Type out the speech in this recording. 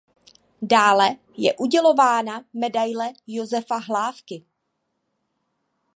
Dále je udělována Medaile Josefa Hlávky.